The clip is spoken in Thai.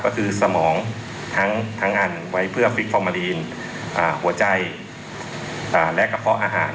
ก็คือสมองทั้งทั้งอันไว้เพื่ออ่าหัวใจอ่าและกระเพาะอาหาร